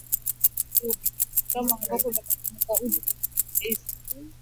hadi Uingereza kwa nia ya kumtoa figo ya kuisadia binti yao